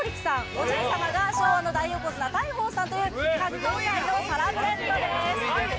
おじいさまが昭和の大横綱大鵬さんという格闘界のサラブレッドです